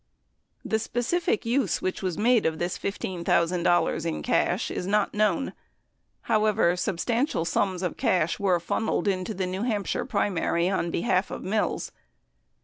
The specific use which was made of this $15,000 in cash is not known ; however, substantial sums of cash were funneled into the New Hampshire primary on behalf of Mills.